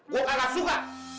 gue kakak suka